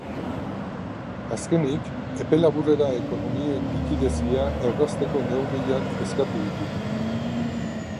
Azkenik, epe laburrera ekonomien likidezia errazteko neurriak eskatu ditu.